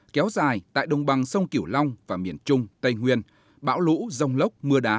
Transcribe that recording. kéo dài tại đồng bằng sông kiểu long và miền trung tây nguyên bão lũ rông lốc mưa đá